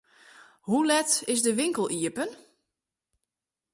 Hoe let is de winkel iepen?